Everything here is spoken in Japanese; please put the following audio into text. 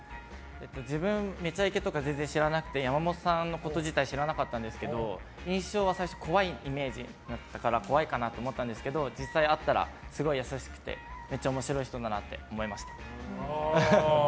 自分「めちゃイケ」とか全然知らなくて山本さんのこと自体知らなかったんですけど印象は最初怖いイメージだったから怖いかなと思ったんですけど実際に会ったらすごく優しくてめっちゃ面白い人だなと思いました。